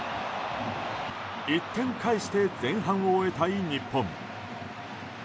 １点返して前半を終えたい日本。